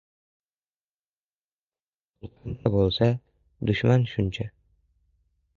Qul qancha bo‘lsa, dushman shuncha.